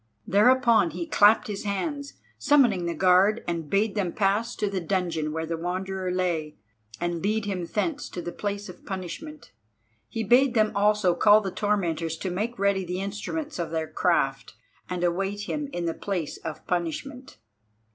Thereupon he clapped his hands, summoning the guard, and bade them pass to the dungeon where the Wanderer lay, and lead him thence to the place of punishment. He bade them also call the tormentors to make ready the instruments of their craft, and await him in the place of punishment.